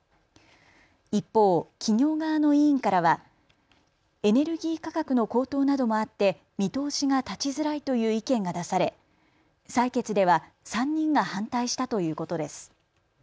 一方、企業側の委員からはエネルギー価格の高騰などもあって見通しが立ちづらいという意見が出され、採決では３人が反対したということです。